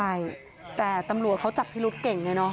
ใช่แต่ตำรวจเขาจับพิรุษเก่งเลยเนาะ